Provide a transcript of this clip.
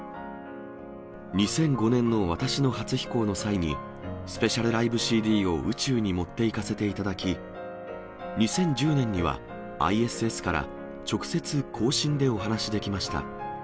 ２００５年の私の初飛行の際に、スペシャルライブＣＤを宇宙に持っていかせていただき、２０１０年には、ＩＳＳから直接交信でお話しできました。